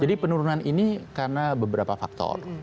jadi penurunan ini karena beberapa faktor